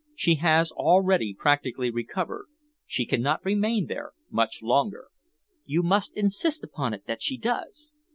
"She has already practically recovered. She cannot remain there much longer." "You must insist upon it that she does."